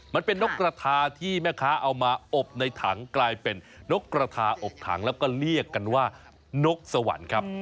นกกระทาที่แม่ค้าเอามาอบในถังกลายเป็นนกกระทาอบถังแล้วก็เรียกกันว่านกสวรรค์ครับ